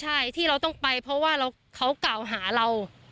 ใช่ที่เราต้องไปเพราะว่าเขากล่าวหาเรา